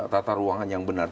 tata ruangan yang benar